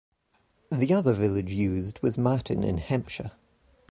The other village used was Martin in Hampshire.